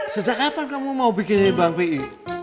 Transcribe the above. sejak kapan kamu mau bikin ini bang pih